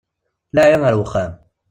Laɛi ar uxxam!